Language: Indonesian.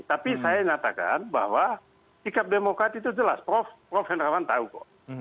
tapi saya nyatakan bahwa sikat demokrat itu jelas prof prof henrawan tahu kok